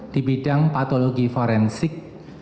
di bidang patologi forensik